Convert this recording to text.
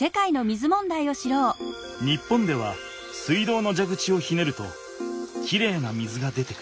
日本では水道のじゃぐちをひねるときれいな水が出てくる。